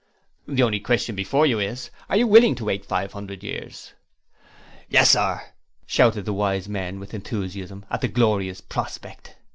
'The only question before you is: Are you willing to wait for Five Hundred Years?' 'Yes, sir,' shouted the Wise Men with enthusiasm at the glorious prospect.